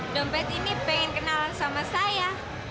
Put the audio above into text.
dompet ini pengen kenalan sama saya